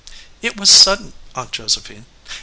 "It was sudden, Aunt Josephine.